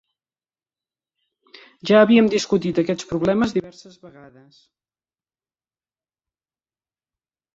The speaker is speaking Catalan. Ja havíem discutit aquests problemes diverses vegades